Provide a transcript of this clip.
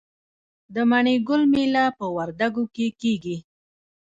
د مڼې ګل میله په وردګو کې کیږي.